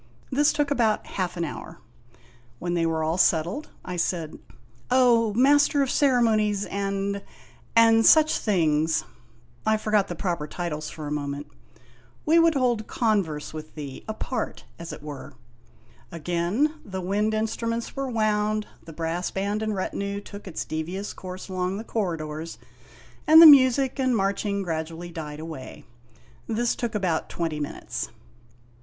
This took about half an hour. When they were all settled I said : "O Master of Ceremonies and and such things" (I forgot the proper titles for a moment), " we would hold converse with thee apart, as it were." THE SEQUEL 57 Again the wind instruments were wound, the brass band and retinue took its devious course along the corridors, and the music and marching gradually died away. This took about twenty minutes.